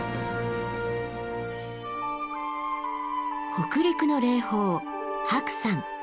北陸の霊峰白山。